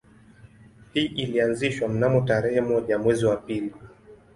Hii ilianzishwa mnamo tarehe moja mwezi wa pili